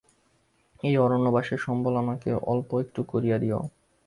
এই অরণ্যবাসের সম্বল আমাকে অল্প-একটু করিয়া দিয়ো।